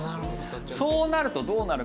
そうなるとどうなるか。